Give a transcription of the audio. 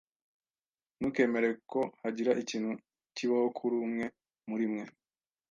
Ntukemere ko hagira ikintu kibaho kuri umwe muri mwe.